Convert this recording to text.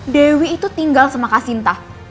dewi itu tinggal sama kak sinta